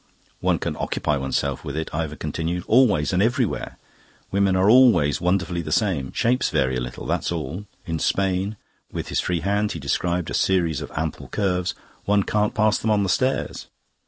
"One can occupy oneself with it," Ivor continued, "always and everywhere. Women are always wonderfully the same. Shapes vary a little, that's all. In Spain" with his free hand he described a series of ample curves "one can't pass them on the stairs.